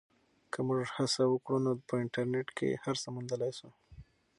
که موږ هڅه وکړو نو په انټرنیټ کې هر څه موندلی سو.